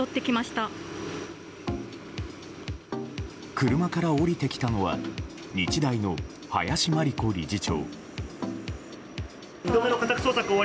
車から降りてきたのは日大の林真理子理事長。